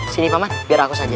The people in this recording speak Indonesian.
sini mama biar aku saja